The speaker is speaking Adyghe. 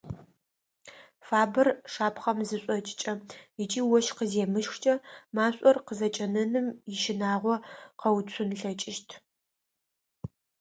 Фабэр шапхъэм зышӏокӏыкӏэ ыкӏи ощх къыземыщхыкӏэ машӏор къызэкӏэнэным ищынагъо къэуцун ылъэкӏыщт.